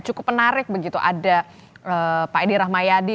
cukup menarik begitu ada pak edi rahmayadi